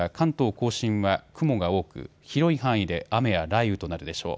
甲信は雲が多く、広い範囲で雨や雷雨となるでしょう。